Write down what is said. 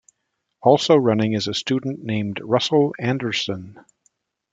Also running is a student named Russell Anderson.